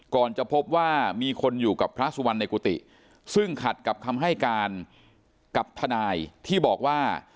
จะพบว่ามีคนอยู่กับพระสุวรรณในกุฏิซึ่งขัดกับคำให้การกับทนายที่บอกว่า